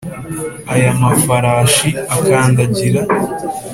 ay, amafarashi akandagira,